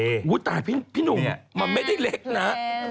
โอ้โหตาพี่หนุ่มมันไม่ได้เล็กนะ